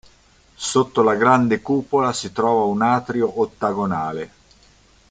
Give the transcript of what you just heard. Sotto la grande cupola si trova un atrio ottagonale.